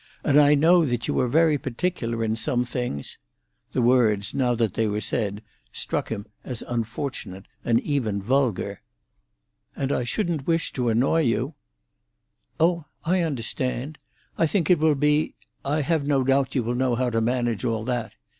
And I know that you are very particular in some things"—the words, now that they were said, struck him as unfortunate, and even vulgar—"and I shouldn't wish to annoy you—" "Oh, I understand. I think it will be—I have no doubt you will know how to manage all that.